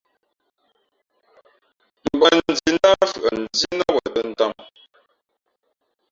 Mbᾱʼndhǐ ndǎh fʉαʼndhǐ nά wen tᾱ tām.